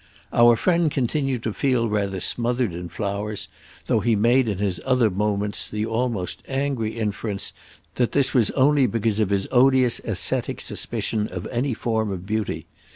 Our friend continued to feel rather smothered in flowers, though he made in his other moments the almost angry inference that this was only because of his odious ascetic suspicion of any form of beauty.